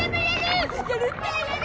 やるったらやる！